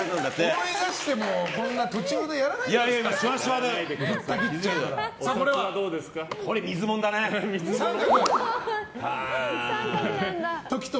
思い出してもこんな途中でやらないんじゃないですか。